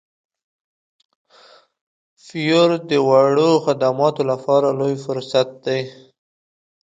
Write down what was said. فیور د وړو خدماتو لپاره لوی فرصت دی.